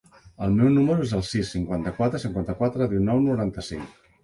El meu número es el sis, cinquanta-quatre, cinquanta-quatre, dinou, noranta-cinc.